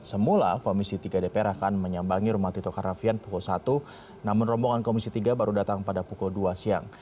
semula komisi tiga dpr akan menyambangi rumah tito karnavian pukul satu namun rombongan komisi tiga baru datang pada pukul dua siang